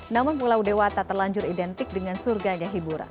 namun pulau dewata terlanjur identik dengan surganya hiburan